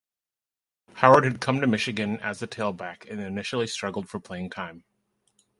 Howard had come to Michigan as a tailback and initially struggled for playing time.